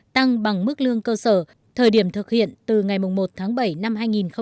tăng bằng mức lương cơ sở thời điểm thực hiện từ ngày một tháng bảy năm hai nghìn hai mươi